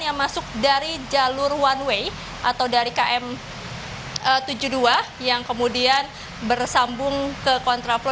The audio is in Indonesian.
yang masuk dari jalur one way atau dari km tujuh puluh dua yang kemudian bersambung ke kontraflow